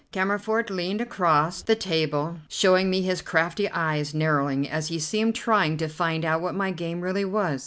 Cammerford leaned across the table, showing me his crafty eyes narrowing as he seemed trying to find out what my game really was.